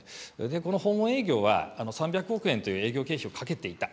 この訪問営業は３００億円という営業経費をかけていた。